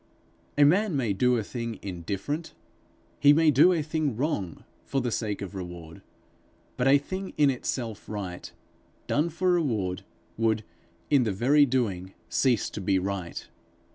A man may do a thing indifferent, he may do a thing wrong, for the sake of reward; but a thing in itself right, done for reward, would, in the very doing, cease to be right.'